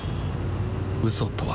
嘘とは